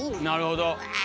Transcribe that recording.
なるほど。